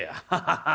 「ハハハ！